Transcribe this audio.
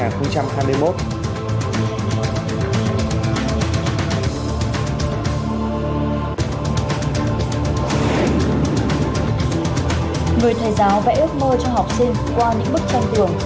ước mơ cho học sinh qua những bước chân tường